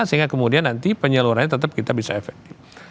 sehingga kemudian nanti penyalurannya tetap kita bisa efektif